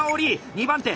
２番手